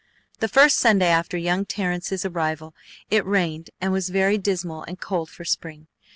The first Sunday after young Terrence's arrival it rained and was very dismal and cold for spring.